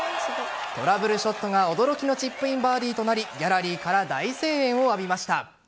トラブルショットが驚きのチップインバーディーとなりギャラリーから大声援を浴びました。